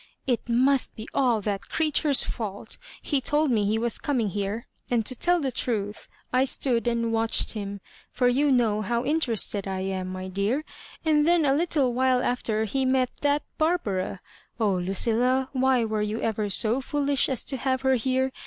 *< It must be all that creature*s fault ! He told me he was coming here ; and to tell the truth, I stood and watched him, for you know how in terested I am, my dear ; and then a little while after he met that Barbara. Oh, LuQ^lla^ why were you ever so foolish as to have her here